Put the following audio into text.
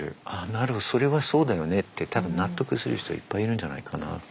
なるほどそれはそうだよねって多分納得する人いっぱいいるんじゃないかなって。